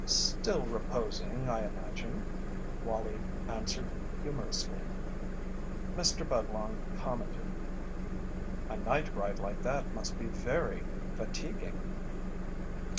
"Still reposing, I imagine," Wallie answered, humorously. Mrs. Budlong commented: "A night ride like that must be very fatiguing."